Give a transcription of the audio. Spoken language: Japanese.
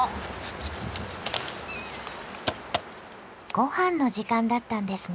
ごはんの時間だったんですね。